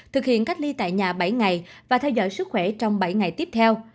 thực hiện cách ly tại nhà bảy ngày và theo dõi sức khỏe trong bảy ngày tiếp theo